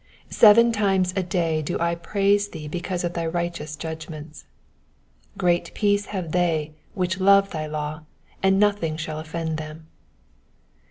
164 Seven times a day do I praise thee because of thy righteous judgments. 165 Great peace have they which love thy law : and nothing shall offend them.